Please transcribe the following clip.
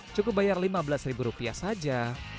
cukup bayar lima belas ribu rupiah saja